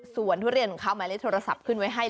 สวนทุเรียนของเขามาและเลขโทรศัพท์คุณให้ได้